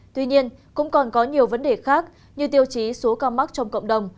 tuy nhiên cũng còn có nhiều vấn đề khác như tiêu chí số ca mắc trong cộng đồng